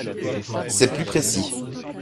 C’est plus précis.